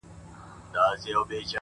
• ستا د وعدې په توره شپه کي مرمه ,